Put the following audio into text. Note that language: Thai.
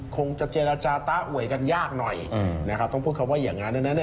คงจะเจรจาตะอวยกันยากหน่อยต้องพูดคำว่าอย่างนั้น